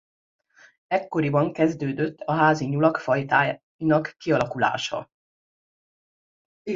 Ekkoriban kezdődött a házi nyulak fajtáinak kialakulása.